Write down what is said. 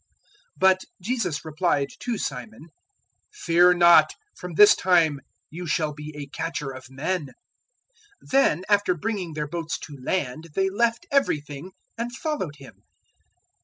But Jesus replied to Simon, "Fear not: from this time you shall be a catcher of men." 005:011 Then, after bringing their boats to land, they left everything and followed Him.